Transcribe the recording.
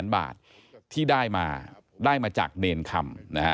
๑๕๐๐๐บาทที่ได้มาได้มาจากเนรครรม